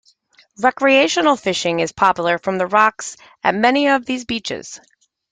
Recreational fishing is popular from the rocks at many of these beaches.